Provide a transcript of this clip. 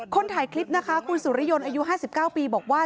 ถ่ายคลิปนะคะคุณสุริยนต์อายุ๕๙ปีบอกว่า